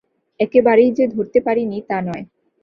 একেবারেই যে ধরতে পারি নি, তা নয়।